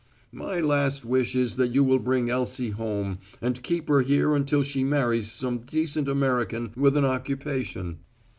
"My last wish is that you will bring Elsie home and keep her here until she marries some decent American with an occupation.